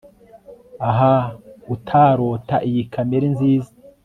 ah! utarota iyi kamere nziza